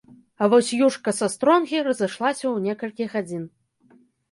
А вось юшка са стронгі разышлася ў некалькі гадзін.